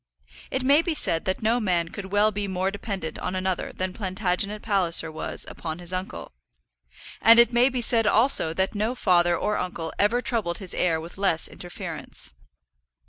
It may be said that no man could well be more dependent on another than Plantagenet Palliser was upon his uncle; and it may be said also that no father or uncle ever troubled his heir with less interference.